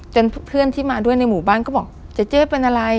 เพื่อนที่มาด้วยในหมู่บ้านก็บอกเจ๊เป็นอะไร